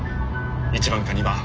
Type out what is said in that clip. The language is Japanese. １番か２番。